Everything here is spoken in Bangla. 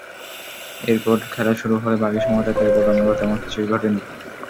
এরপর খেলা শুরু হলে বাকি সময়টাতে বলার মতো তেমন কিছুই ঘটেনি।